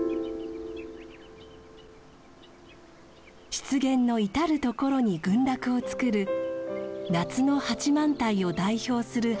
湿原の至る所に群落をつくる夏の八幡平を代表する花です。